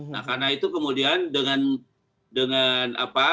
nah karena itu kemudian dengan apa